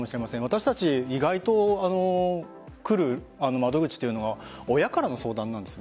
私たちは意外と来る窓口というのは親からの相談なんです。